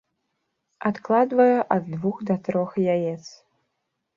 Адкладвае ад двух да трох яец.